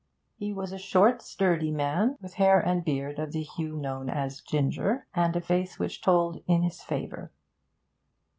He was a short, sturdy man, with hair and beard of the hue known as ginger, and a face which told in his favour.